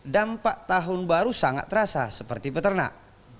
dampak tahun baru sangat terasa seperti peternak